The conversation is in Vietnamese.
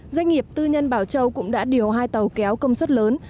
doanh nghiệp tư nhân bảo châu cũng đã điều hai tàu kéo công suất lớn